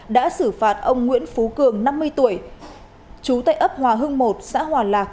đã xử phạt ông nguyễn phú cường năm mươi tuổi chú tại ấp hòa hưng một xã hòa lạc